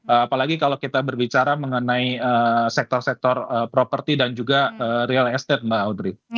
apalagi kalau kita berbicara mengenai sektor sektor properti dan juga real estate mbak audrey